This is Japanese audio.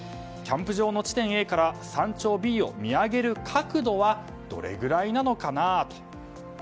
キャンプ場の地点Ａから山頂Ｂを見上げる角度はどれくらいなのかなと。